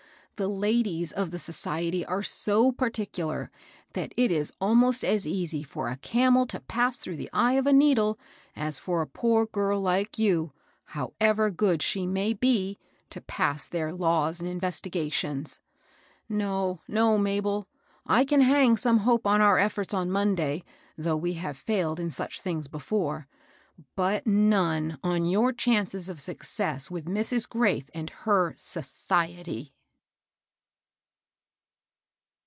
The ladies of the socie ty are so particular, that it is almost as easy fcH* a * camel to pass through the eye o{ a needle,' as for a poor girl like you, however good she may be, to pass their laws and inyestigations. No, no, Mabd ! I can hang some hope on our efforts of Monday, though we have failed in such things before, bat none on your chances of success with Mrs. Graith and her * society.'